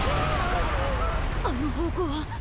あの方向は。